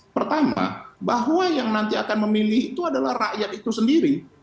pertama bahwa yang nanti akan memilih itu adalah rakyat itu sendiri